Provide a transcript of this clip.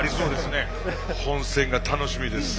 本戦が楽しみですね。